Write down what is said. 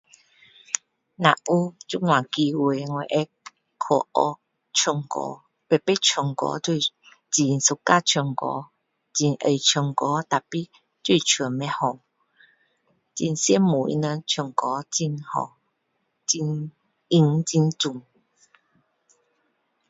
若有这样机会我会去学唱歌每次唱歌都是很喜欢唱歌很爱唱歌 tapi 就是唱不好很羡慕他们唱歌很好音很准